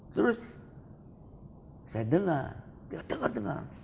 terus saya dengar dengar dengar